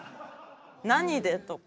何でとか。